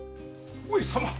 上様！